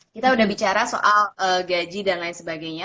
kita sudah bicara soal gaji dan lain sebagainya